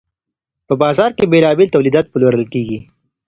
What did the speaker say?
په بازار کي بیلابیل تولیدات پلورل کیدل.